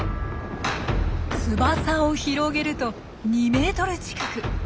翼を広げると２ｍ近く。